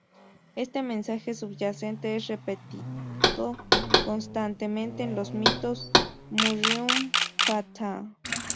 Este mensaje subyacente es repetido constantemente en los mitos murrinh-patha.